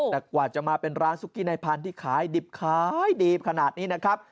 แต่กว่าจะมาเป็นร้านซุกกี้ในพันธุ์ที่ขายดิบขายดีขนาดนี้นะครับ